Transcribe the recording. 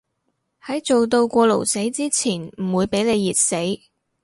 喺做到過勞死之前唔會畀你熱死